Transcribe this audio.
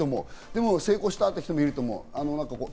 でも成功したという人もいると思う。